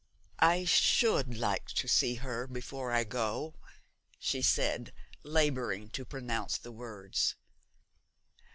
'I should like to see her before I go,' she said, labouring to pronounce the words.